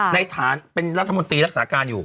ฐานเป็นรัฐมนตรีรักษาการอยู่